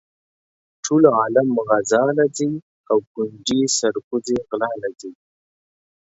ټول عالم غزا لہ ځی او ګنجي سر کوزے غلا لہ ځی